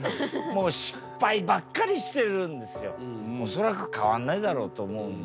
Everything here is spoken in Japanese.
もうそれは変わんないだろうと思うんで。